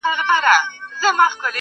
؛پر وزرونو مي شغلې د پانوس پور پاته دي؛